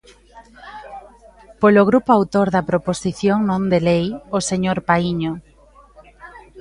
Polo grupo autor da proposición non de lei, o señor Paíño.